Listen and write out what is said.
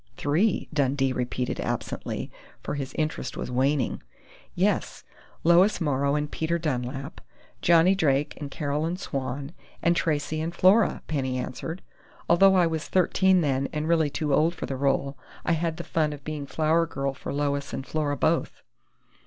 "Three?" Dundee repeated absently, for his interest was waning. "Yes.... Lois Morrow and Peter Dunlap; Johnny Drake and Carolyn Swann; and Tracey and Flora," Penny answered. "Although I was thirteen then and really too old for the role, I had the fun of being flower girl for Lois and Flora both."